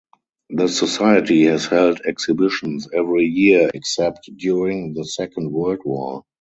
The society has held exhibitions every year except during the Second World War.